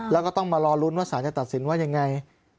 แล้วก็ต้องมารอลุ้นว่าสารจะตัดสินว่ายังไง